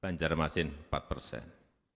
banjarmasin empat persen